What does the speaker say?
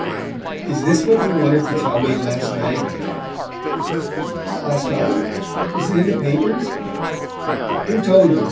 "Is this what you wanted to tell me last night?" "Last night? Is it in the papers?" "Who told you?